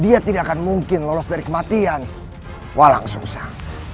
dia tidak akan mungkin lolos dari kematian walang susah